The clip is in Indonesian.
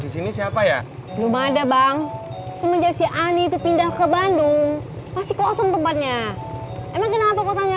sampai jumpa di video selanjutnya